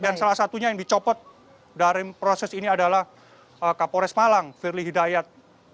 dan salah satunya yang dicopot dari proses ini adalah kapolres malang firly hidayat